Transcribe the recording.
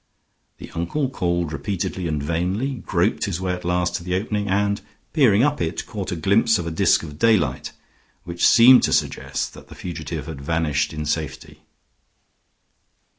The uncle called repeatedly and vainly, groped his way at last to the opening, and, peering up it, caught a glimpse of a disk of daylight, which seemed to suggest that the fugitive had vanished in safety.